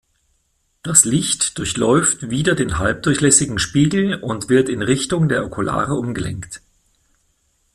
Das Licht durchläuft wieder den halbdurchlässigen Spiegel und wird in Richtung der Okulare umgelenkt.